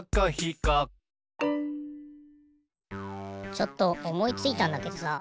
ちょっとおもいついたんだけどさ